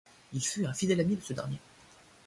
Il fut un fidèle ami de ce dernier.